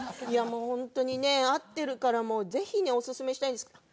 いやもうホントにね合ってるからぜひおすすめしたいです。